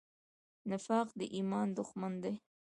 نفاق د ایمان دښمن دی.